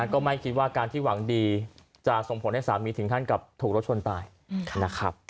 ก็ไม่คิดว่าการที่หวังดีจะส่งผลให้สามีถึงขั้นกับถูกรถชนตายนะครับ